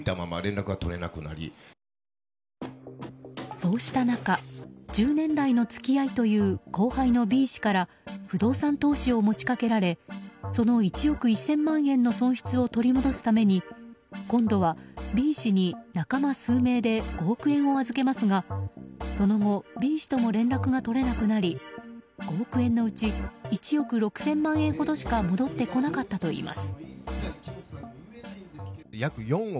そうした中十年来の付き合いという後輩芸人のＢ氏から不動産投資を持ち掛けられその１億１０００万円の損失を取り戻すために今度は、Ｂ氏に仲間数名で５億円を預けますがその後、Ｂ氏とも連絡が取れなくなり５億円のうち１億６０００万円ほどしか戻ってこなかったといいます。